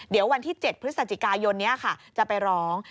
เดี๋ยววันที่๗พฤศจิกายนนี้ค่ะจะไปร้อง